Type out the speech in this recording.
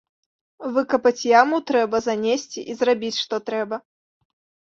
Выкапаць яму трэба, занесці і зрабіць што трэба.